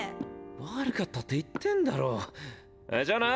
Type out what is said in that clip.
悪かったって言ってんだろじゃあな。